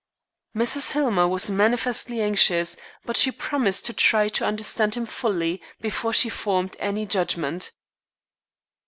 Mrs. Hillmer was manifestly anxious, but she promised to try to understand him fully before she formed any judgment.